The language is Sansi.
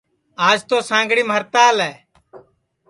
آج توسانگڑیم ہڑتال